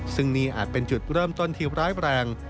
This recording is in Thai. ซึ่งนี่อาจเป็นจุดเริ่มต้นที่ร้ายแรง